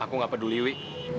aku nggak peduli wi